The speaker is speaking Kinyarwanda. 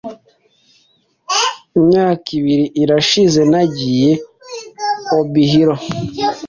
Imyaka ibiri irashize, nagiye i Obihiro .